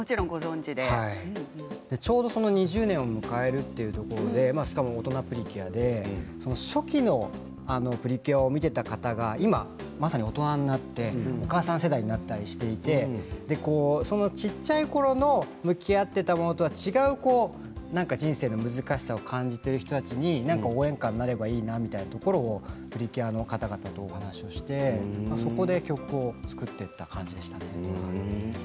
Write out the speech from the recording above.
２０年を迎えるということで「オトナプリキュア」で初期のプリキュア見ていた方が今まさに大人になっていてお母さん世代になっていたりして小さいころ向き合っていたものとは違う人生の難しさを感じている人たちに応援歌になればいいなというところはプリキュアの方々とお話をしてそこで曲を作っていった感じでした。